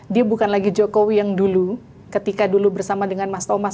dia bukan lagi jokowi yang dulu ketika dulu bersama dengan mas thomas